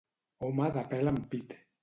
Home de pèl en pit.